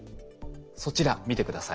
そちら見て下さい。